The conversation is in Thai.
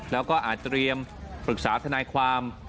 แล้วก็อาจเตรียมปรึกษาทนายความ